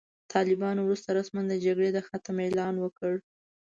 طالبانو وروسته رسماً د جګړې د ختم اعلان وکړ.